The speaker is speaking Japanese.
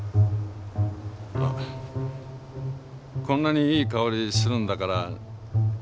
こんなにいい香りするんだから。